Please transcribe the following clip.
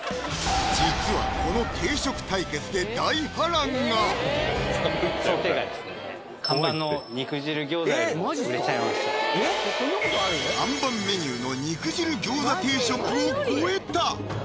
実はこの定食対決で看板メニューの肉汁餃子定食を超えた！